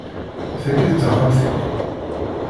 Tagi d taxxamt-ik?